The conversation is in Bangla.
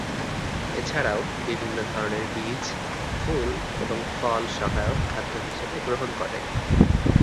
এছাড়াও, বিভিন্ন ধরনের বীজ, ফুল এবং ফল সহায়ক খাদ্য হিসেবে গ্রহণ করে।